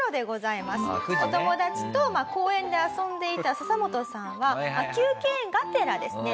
お友達と公園で遊んでいたササモトさんは休憩がてらですね